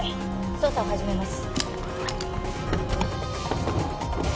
捜査を始めます。